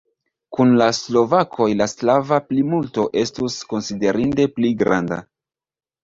Kun la slovakoj la slava plimulto estus konsiderinde pli granda.